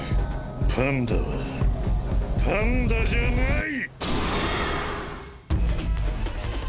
パンダはパンダじゃない！